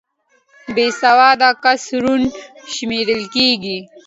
بې سواده کس ړوند شمېرل کېږي